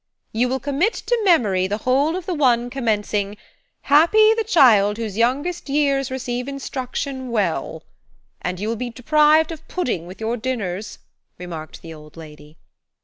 "You will commit to memory the whole of the one commencing– "'Happy the child whose youngest years Receive instruction well," And you will be deprived of pudding with your dinners," remarked the old lady.